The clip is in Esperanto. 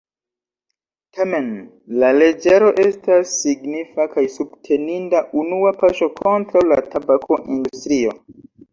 Tamen la leĝaro estas signifa kaj subteninda unua paŝo kontraŭ la tabako-industrio.